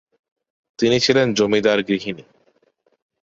তিনি ছিলেন জমিদার-গৃহিনী।